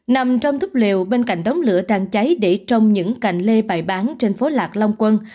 nằm trong thúc liều bên cạnh đóng lửa trang cháy để trong những cành lê bài bán trên phố lạc long quân